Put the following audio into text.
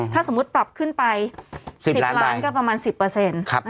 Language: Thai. ถ้าสมมุติปรับขึ้นไปสิบล้านใบก็ประมาณสิบเปอร์เซ็นต์ครับผม